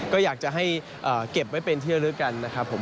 ก็อยากจะให้เก็บไว้เป็นเที่ยวลึกกันนะครับผม